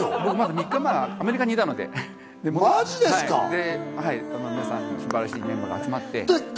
３日前はアメリカにいたので、皆さん、素晴らしいメンバーが集まって。